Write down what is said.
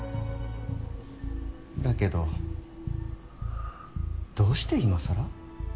だけどどうして今さら？